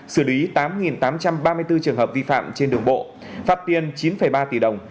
xử lý tám tám trăm ba mươi bốn trường hợp vi phạm trên đường bộ phạt tiền chín ba tỷ đồng